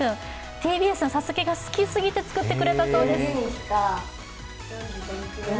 ＴＢＳの「ＳＡＳＵＫＥ」が好きすぎて作ってくれたそうです。